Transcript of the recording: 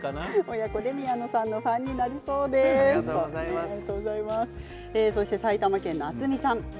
親子で宮野さんのファンになりそうですということですよ。